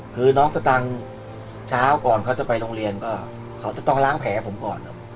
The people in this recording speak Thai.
คือน้องสตังค์เช้าก่อนเขาจะไปโรงเรียนก็เขาจะต้องล้างแผลผมก่อน